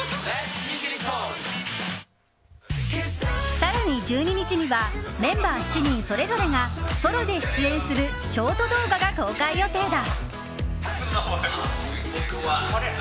更に、１２日にはメンバー７人それぞれがソロで出演するショート動画が公開予定だ。